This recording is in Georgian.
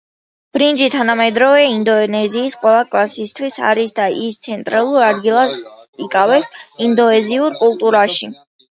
ბრინჯი თანამედროვე ინდონეზიის ყველა კლასისთვის არის და ის ცენტრალურ ადგილს იკავებს ინდონეზიურ კულტურაში.